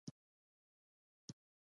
همداسې که زینه له کاره لوېدلې وای.